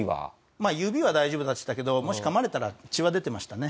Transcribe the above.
まあ指は大丈夫でしたけどもし噛まれたら血は出てましたね。